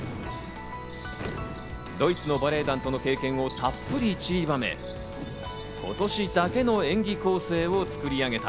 ドイツのバレエ団との経験をたっぷり散りばめ、今年だけの演技構成を作り上げた。